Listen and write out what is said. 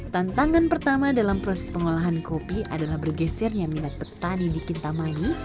tantangan pertama dalam proses pengolahan kopi adalah bergesernya minat petani di kintamani